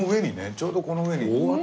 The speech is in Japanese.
ちょうどこの上に。